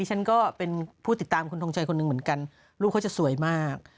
ฉันก็เป็นผู้ติดตามคุณทงชัยคนหนึ่งเหมือนกันลูกเขาจะสวยมาก